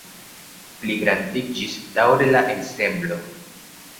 Pligrandiĝis daŭre la ensemblo.